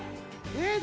え